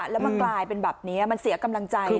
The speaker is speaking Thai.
แล้วมากลายเป็นแบบนี้มันเสียกำลังใจ